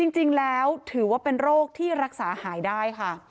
จริงแล้วถือว่าเป็นโรคที่รักษาหายได้ค่ะ